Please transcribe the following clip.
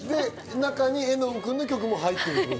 中に絵音君の曲も入ってた。